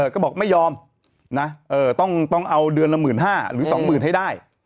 ก็บอกไม่ยอมต้องเอาเดือนละหมื่นห้าหรือสองหมื่นให้ได้